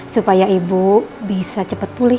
supaya ibu bisa cepat pulih